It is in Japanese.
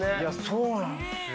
そうなんですよ。